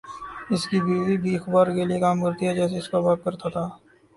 اس کی بیوی بھِی اخبار کے لیے کام کرتی ہے جیسے اس کا باپ کرتا تھا